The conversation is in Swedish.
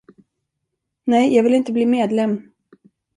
Nej, jag vill inte bli medlem.